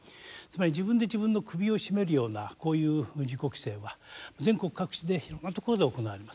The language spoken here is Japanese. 自分で自分の首を絞めるようなこういう自己規制は全国各地でいろんな所で行われます。